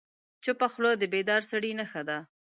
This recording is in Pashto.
چپه خوله، د بیدار سړي نښه ده.